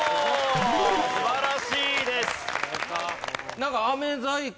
素晴らしいです。